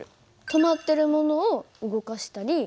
止まってるものを動かしたり。